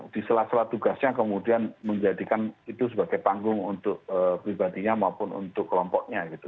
di sela sela tugasnya kemudian menjadikan itu sebagai panggung untuk pribadinya maupun untuk kelompoknya gitu